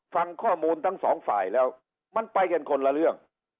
ฟังข้อมูลทั้งสองฝ่ายแล้วมันไปกันคนละเรื่อง